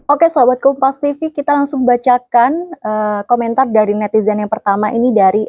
oke assalamualaikum pak stevi kita langsung bacakan komentar dari netizen yang pertama ini dari